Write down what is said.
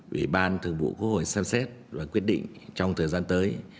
ủy ban thượng vụ cổ hội xem xét và quyết định trong thời gian tới